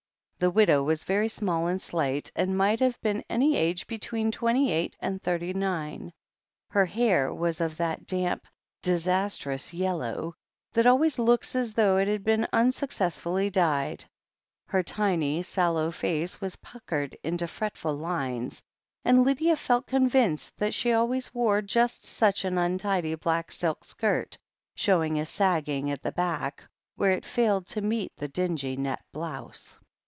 The widow was very small and slight, and might have been any age between twenty eight and thirty nine. THE HEEL OF ACHILLES 105 Her hair was of that damp, disastrous yellow, that always looks as though it had been tmsuccess fully dyed, her tiny, sallow face was puckered into fretful lines, and Lydia felt convinced that she always wore just such an untidy black silk skirt, showing a sagging at the back, where it failed to meet the dingy, net blouse.